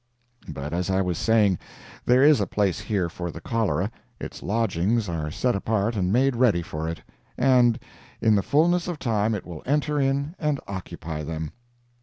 But, as I was saying, there is a place here for the cholera—its lodgings are set apart and made ready for it—and in the fullness of time it will enter in and occupy them.